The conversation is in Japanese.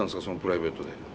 そのプライベートで。